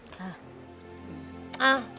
ค่ะ